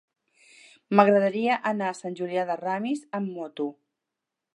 M'agradaria anar a Sant Julià de Ramis amb moto.